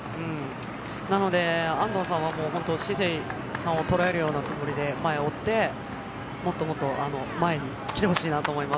なので安藤さんはシセイさんをとらえるようなつもりで前を追って、もっともっと前に来てほしいなと思います。